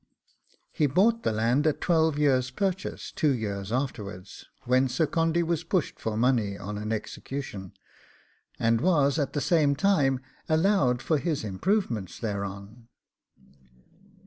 He bought the land at twelve years' purchase two years afterwards, when Sir Condy was pushed for money on an execution, and was at the same time allowed for his improvements thereon.